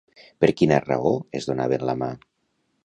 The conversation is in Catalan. Per quina raó es donaven la mà?